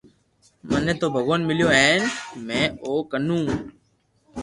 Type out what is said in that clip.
مني تو ڀگوان مليو ھين ۾ او ڪنو